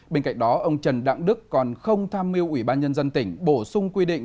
bên cạnh đó ông trần đặng đức còn không tham mưu ủy ban nhân dân tỉnh bổ sung quy định